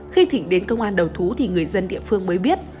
khi thịnh đến công an đầu thú thì người dân địa phương mới biết